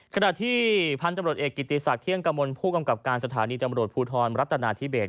ขณะที่พันธุ์ตำรวจเอกกิติศักดิเที่ยงกมลผู้กำกับการสถานีตำรวจภูทรรัฐนาธิเบส